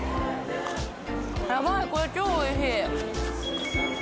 ヤバいこれ超おいしい！